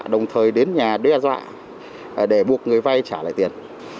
đồng thời đến nhà đe dọa để buộc người vay trả lại tiền